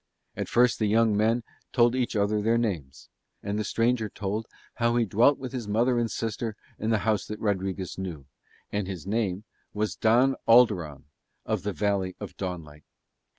And first the young men told each other their names; and the stranger told how he dwelt with his mother and sister in the house that Rodriguez knew, and his name was Don Alderon of the Valley of Dawnlight.